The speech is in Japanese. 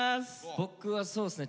僕はそうっすね